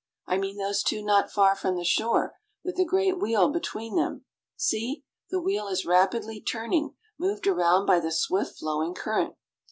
I mean those two not far from the shore, with the great wheel between them. See! the wheel is rapidly turning, moved around by the swift flowing current.